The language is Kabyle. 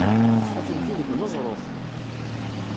Atenti deg uneẓruf.